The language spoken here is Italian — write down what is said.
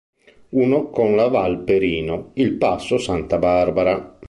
Uno con la val Perino: il passo Santa Barbara.